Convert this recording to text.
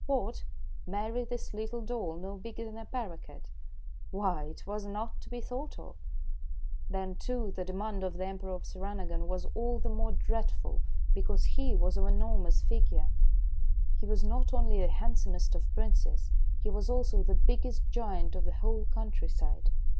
What, marry this little doll, no bigger than a paroquet ! Why, it was not to be thought of ! Then, too, the demand of the Emperor of Sirinagon was all the more dreadful, because he was of an enormous figure. He was not only the handsomest of Princes, he was also the biggest giant of the whole countryside.